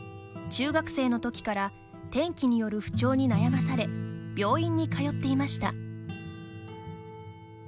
中学生の時から天気による不調に悩まされ、病院に通っていました。